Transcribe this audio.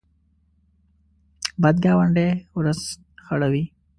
بد ګاونډی ورځ خړوي